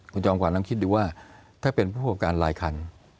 คุณจอมขวัลลองคิดดูว่าถ้าเป็นผู้ประกอบการรายคัน